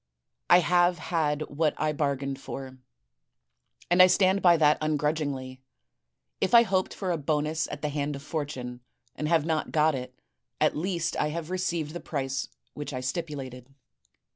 I have had what I bar gained for; and I stand by that ungrudgingly. If I hoped for a bonus at the hand of Fortune and have not got it, at least I have received the price which I stipulated.'